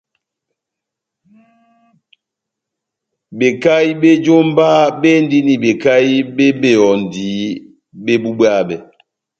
Bekahi bé jómba béndini bekahi bé ehɔndi bébubwabɛ.